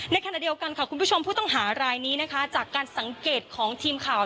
ขณะเดียวกันค่ะคุณผู้ชมผู้ต้องหารายนี้นะคะจากการสังเกตของทีมข่าว